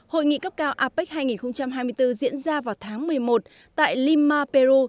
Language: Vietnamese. hội nghị cấp cao apec hai nghìn hai mươi bốn diễn ra vào tháng một mươi một tại lima peru